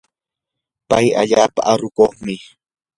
pay allaapa arukuqmi.